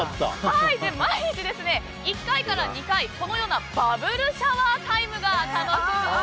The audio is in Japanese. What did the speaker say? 毎日１回から２回、このようなバブルシャワータイムが楽しめます。